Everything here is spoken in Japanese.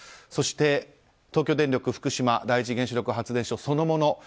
そして東京電力福島第一原子力発電所そのもの